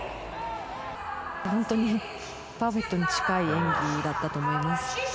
本当にパーフェクトに近い演技だったと思います。